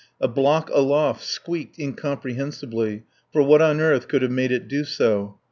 A block aloft squeaked incomprehensibly, for what on earth could have made it do so?